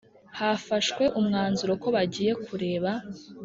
Hafashwe umwanzuro ko bagiye kureba